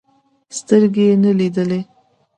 سترګې يې نه لیدلې.